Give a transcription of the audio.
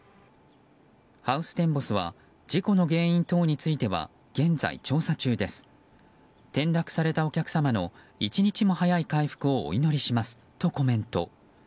ハウステンボスは事故の原因等については現在調査中です転落されたお客様の一日も早い回復をお祈りしますとコメント。